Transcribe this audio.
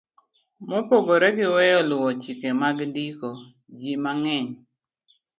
Mopogore gi weyo luwo chike mag ndiko, ji mang'eny